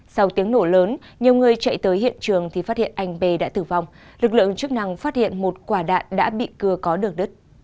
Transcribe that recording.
sau tiếng nổ lớn nhiều người chạy tới hiện trường thì phát hiện anh b đã tử vong lực lượng chức năng phát hiện một quả đạn đã bị cưa có được đứt